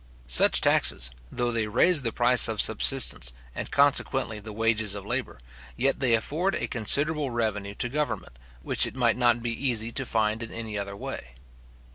Such taxes, though they raise the price of subsistence, and consequently the wages of labour, yet they afford a considerable revenue to government, which it might not be easy to find in any other way.